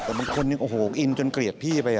มันคนยังโอ้โฮอินจนเกลียดพี่ไป